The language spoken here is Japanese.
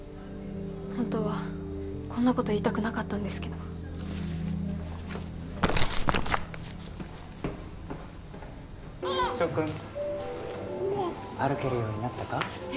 本当はこんなこと言いたくなかったんですけどショウ君歩けるようになったか？